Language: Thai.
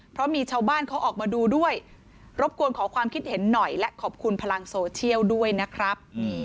เพราะมีชาวบ้านเขาออกมาดูด้วยรบกวนขอความคิดเห็นหน่อยและขอบคุณพลังโซเชียลด้วยนะครับ